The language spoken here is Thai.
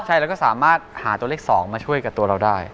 ใช่แล้วก็สามารถหาตัวเลข๒มาช่วยกับตัวเราได้